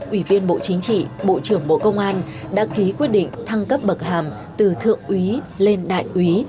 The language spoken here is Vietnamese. ủy viên bộ chính trị bộ trưởng bộ công an đã ký quyết định thăng cấp bậc hàm từ thượng úy lên đại úy